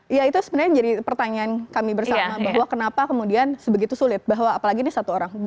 iya itu sebenarnya jadi pertanyaan kami bersama bahwa kenapa kemudian sebegitu sulit bahwa apalagi ini satu orang